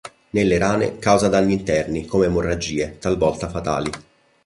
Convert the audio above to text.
Nelle rane causa danni interni, come emorragie, talvolta fatali.